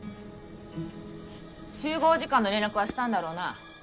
集合時間の連絡はしたんだろうな？